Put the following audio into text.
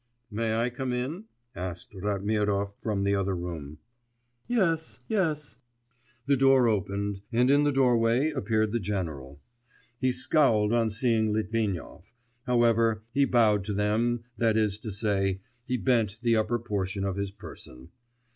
'May I come in?' asked Ratmirov from the other room. 'Yes ... yes.' The door opened, and in the doorway appeared the general. He scowled on seeing Litvinov; however, he bowed to them, that is to say, he bent the upper portion of his person.